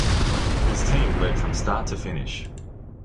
His team lead from start to finish.